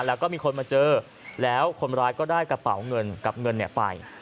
แล้วก็มีคนมาเจอแล้วคนร้ายก็ได้กระเป๋าเงินกับเงินไป